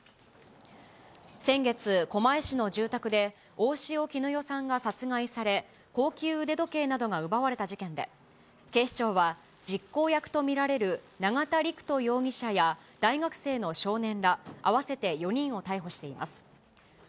先月、狛江市の住宅で大塩衣与さんが殺害され、高級腕時計などが奪われた事件で、警視庁は実行役と見られる永田陸人容疑者や大学生の少年ら合わせて４人を逮捕しています。